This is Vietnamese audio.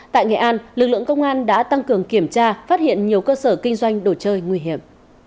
tại nghệ an lực lượng công an đã tăng cường kiểm tra phát hiện nhiều cơ sở kinh doanh đồ chơi nguy hiểm